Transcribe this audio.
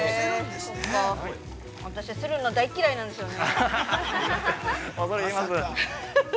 ◆私は擦るの大嫌いなんですよね。